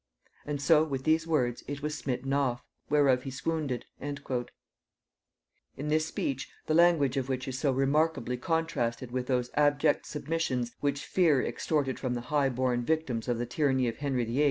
And so, with these words, it was smitten off, whereof he swoonded." [Note 85: "Nugæ."] In this speech, the language of which is so remarkably contrasted with those abject submissions which fear extorted from the high born victims of the tyranny of Henry VIII.